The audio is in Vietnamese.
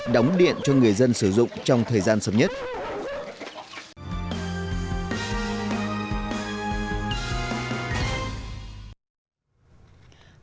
đóng điện cho người dân sử dụng trong thời gian sớm nhất